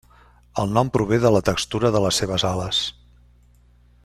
El nom prové de la textura de les seves ales.